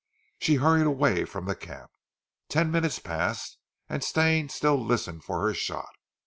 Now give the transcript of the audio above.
She hurried away from the camp. Ten minutes passed and Stane still listened for her shot.